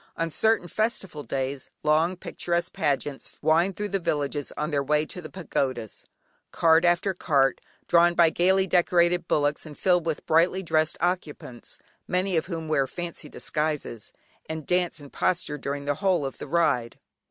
On certain festival days long picturesque pageants wind thro' the villages on their way to the pagodas; cart after cart drawn by gaily decorated bullocks and filled with brightly dressed occupants, many of whom wear fancy disguises, and dance and posture during the whole of the ride.